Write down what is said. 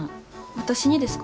私にですか？